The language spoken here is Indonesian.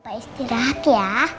pak isti rahat ya